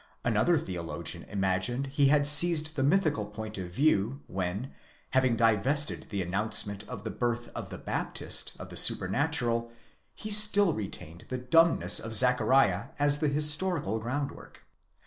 Another theologian? imagined he had seized the mythical point of view, when, having divested the announce ἡ ment of the birth of the Baptist of the supernatural, he still retained the dumbness of Zachariah as the historical groundwork.